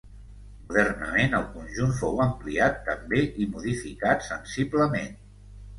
Modernament, el conjunt fou ampliat també i modificat sensiblement.